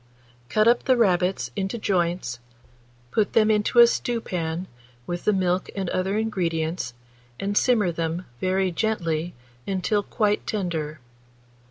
Cut up the rabbits into joints, put them into a stewpan, with the milk and other ingredients, and simmer them very gently until quite tender.